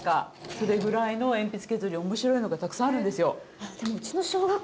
それぐらいの鉛筆削り面白いのがたくさんあるんですよ。